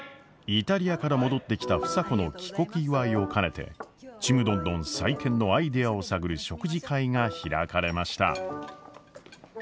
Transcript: イタリアから戻ってきた房子の帰国祝いを兼ねてちむどんどん再建のアイデアを探る食事会が開かれました。